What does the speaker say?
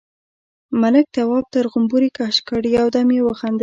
ملک، تواب تر غومبري کش کړ، يو دم يې وخندل: